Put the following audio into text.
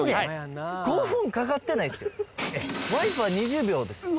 ワイパー２０秒ですよ